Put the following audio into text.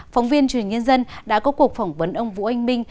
phóng viên truyền hình nhân dân đã có cuộc phỏng vấn ông vũ anh minh